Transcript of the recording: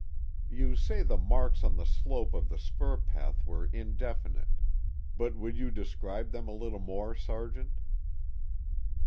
"You say the marks on the slope of the spur path were indefinite. But would you describe them a little more, Sergeant?"